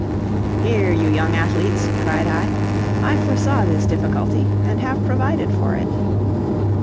"Here, you young athletes," cried I, "I foresaw this difficulty, and have provided for it."